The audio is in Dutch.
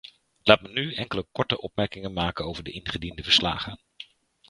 Laat me nu enkele korte opmerkingen maken over de ingediende verslagen.